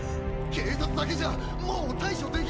警察だけじゃもう対処できませんよ！